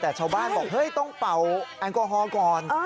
แต่ชาวบ้านบอกเฮ้ยต้องเป่าแอลกอฮอล์ก่อน